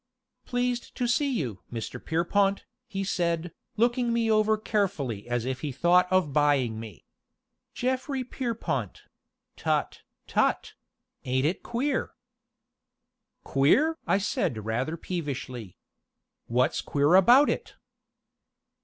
"Pleased to see you, Mr. Pierrepont," he said, looking me over carefully as if he thought of buying me. "Geoffray Pierrepont tut, tut! ain't it queer!" "Queer!" I said rather peevishly. "What's queer about it?"